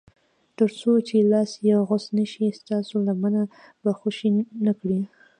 تر څو چې لاس یې غوڅ نه شي ستاسو لمنه به خوشي نه کړي.